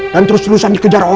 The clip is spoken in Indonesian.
dan terus terusan saya menghukummu